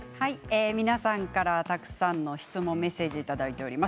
皆さんからたくさんの質問、メッセージをいただいております。